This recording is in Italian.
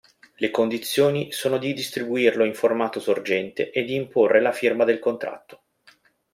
Le condizioni sono di distribuirlo in formato sorgente e di imporre la firma del contratto.